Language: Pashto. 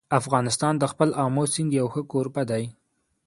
افغانستان د خپل آمو سیند یو ښه کوربه دی.